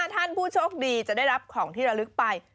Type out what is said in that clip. ท่านผู้โชคดีจะได้รับของที่ระลึกไป